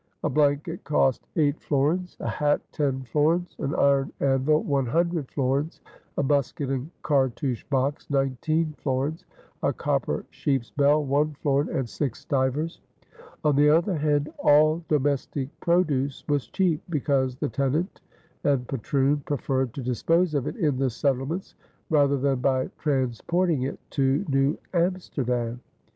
A blanket cost eight florins, a hat ten florins, an iron anvil one hundred florins, a musket and cartouche box nineteen florins, a copper sheep's bell one florin and six stivers. On the other hand all domestic produce was cheap, because the tenant and patroon preferred to dispose of it in the settlements rather than by transporting it to New Amsterdam.